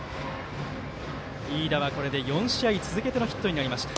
飯田は、これで４試合続けてのヒットになりました。